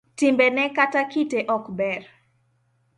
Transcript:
Timbene kata kite ne ok ber.